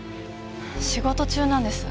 仕事中なんです。